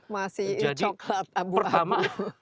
masih coklat abu abu